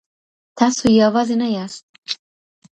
تاسو يوازي نه ياست.